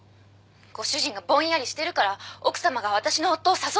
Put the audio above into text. ご主人がぼんやりしてるから奥さまが私の夫を誘ったんです。